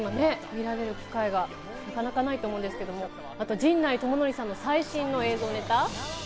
見られる機会が今なかなかないと思うんですけど、あと陣内智則さんの最新の映像ネタ。